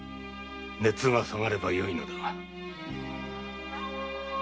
熱が下がればよいのだが。